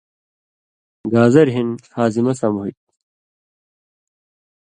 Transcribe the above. گازریۡ ہِن ہاضمہ سم ہو تھی۔